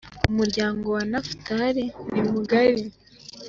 umuryango wa Nafutali ni mugari.